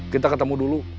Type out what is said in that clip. kita ketemu dulu